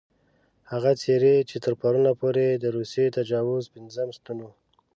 هغه څېرې چې تر پرونه پورې د روسي تجاوز پېنځم ستون وو.